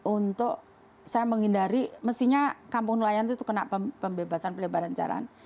untuk saya menghindari mestinya kampung nelayan itu kena pembebasan pelebaran jalan